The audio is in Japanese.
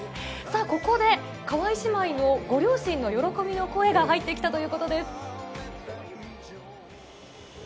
ここで、川井姉妹のご両親の喜びの声が入ってきたということです。